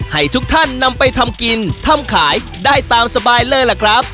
ให้ทุกท่านนำไปทำกินทำขายได้ตามสบายเลยล่ะครับ